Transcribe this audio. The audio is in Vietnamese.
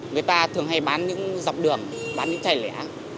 người ta thường hay bán những dọc đường bán những chày lẻ